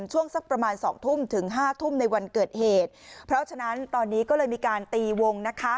ช่วงสักประมาณสองทุ่มถึงห้าทุ่มในวันเกิดเหตุเพราะฉะนั้นตอนนี้ก็เลยมีการตีวงนะคะ